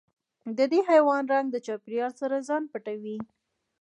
د دې حیوان رنګ د چاپېریال سره ځان پټوي.